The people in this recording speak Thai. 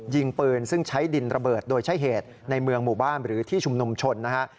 ยิงปืนซึ่งใช้ดินระเบิดโดยใช้เหตุในเมืองหมู่บ้านหรือที่ชุมนุมชนนะฮะ